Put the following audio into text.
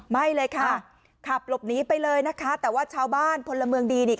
ไม่เลยค่ะขับหลบหนีไปเลยนะคะแต่ว่าชาวบ้านพลเมืองดีนี่